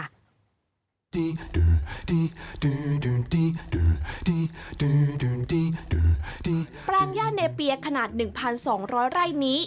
แปลงย่างย่าเนเปียขนาด๑๒๐๐ไร่นี้